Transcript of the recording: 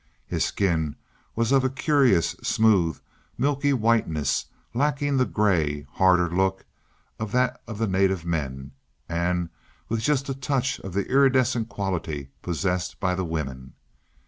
His skin was of a curious, smooth, milky whiteness, lacking the gray, harder look of that of the native men, and with just a touch of the iridescent quality possessed by the women.